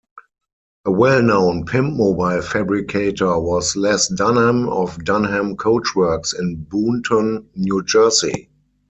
A well-known pimpmobile fabricator was Les Dunham of Dunham Coachworks in Boonton, New Jersey.